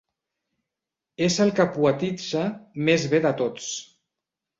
És el que poetitza més bé de tots.